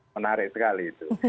menarik sekali itu